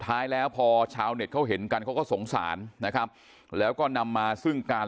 ท้ายแล้วพอชาวเน็ตเขาเห็นกันเขาก็สงสารนะครับแล้วก็นำมาซึ่งการ